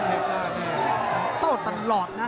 โต้ตลอดนะ